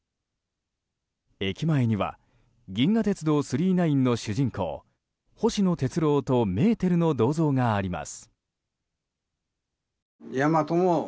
駅前には「銀河鉄道９９９」の主人公・星野鉄郎とメーテルの銅像があります。